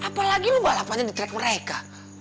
apa lagi lu balapannya di track mereka